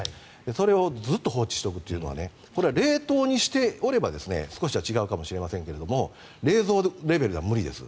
それをずっと放置しておくというのはこれは冷凍にしておれば少しは違うかもしれませんが冷蔵レベルでは無理です。